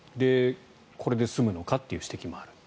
これで済むのかという指摘もある。